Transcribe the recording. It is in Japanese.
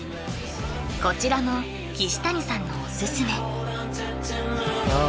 こちらの岸谷さんのおすすめあ